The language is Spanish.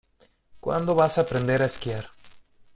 ¿Cuándo vas aprender a esquiar?